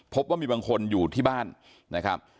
พบว่ามีบางคนอยู่ที่บ้านนะครับ